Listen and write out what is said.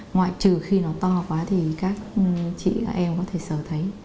ngoại trừ khi nó to quá thì các chị các em có thể sở thấy